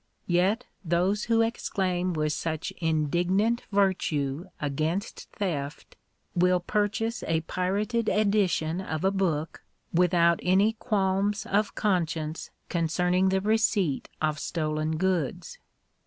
Yet those who exolaim with such indignant virtue against theft, will purchase a pirated edition of a book, without any qualms of conscience concerning the receipt of stolen goods.